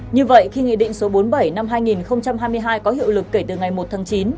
như vậy khi nghị định số bốn mươi bảy năm hai nghìn hai mươi hai có hiệu lực kể từ ngày một tháng chín